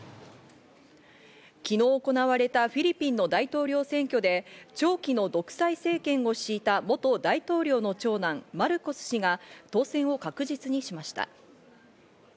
昨日行われたフィリピンの大統領選挙で長期の独裁政権を敷いた元大統領の長男・マルコス氏が当選を確実にしました。